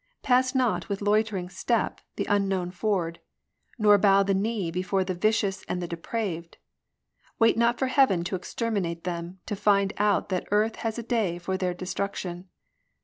Pass not with loitering step the unknown ford, Nor bow the knee before the vicious and the depraved. Wait not for Heaven to exterminate them To find out that earth has a day for their destruction.